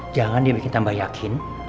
jangan dia bikin tambah yakin